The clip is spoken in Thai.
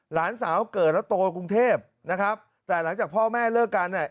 หลานสาวเกิดแล้วโตกรุงเทพนะครับแต่หลังจากพ่อแม่เลิกกันเนี่ย